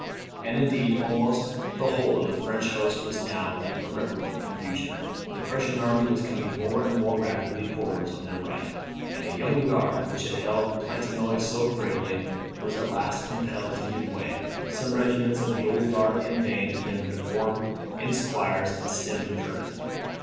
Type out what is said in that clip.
And, indeed, almost the whole of the French host was now in irreparable confusion. The Prussian army was coming more and more rapidly forwards on their right; and the Young Guard, which had held Planchenoit so bravely, was at last compelled to give way. Some regiments of the Old Guard in vain endeavoured to form in squares and stem the current.